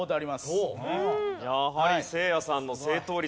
やはりせいやさんの正答率